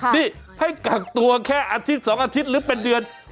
นี่ให้กักตัวแค่อาทิตย์๒อาทิตย์หรือเป็นเดือน